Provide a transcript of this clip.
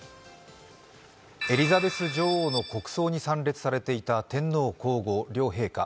エリザベス女王の国葬に参列されていた天皇・皇后両陛下。